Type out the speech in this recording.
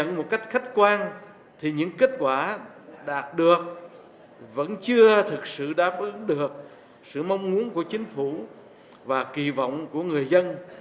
nhưng những kết quả đạt được vẫn chưa thực sự đáp ứng được sự mong muốn của chính phủ và kỳ vọng của người dân